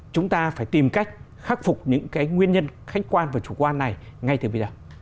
chúng ta phải tìm cách khắc phục những nguyên nhân khách quan và chủ quan này ngay từ bây giờ